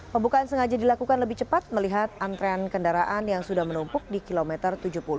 pembukaan sengaja dilakukan lebih cepat melihat antrean kendaraan yang sudah menumpuk di kilometer tujuh puluh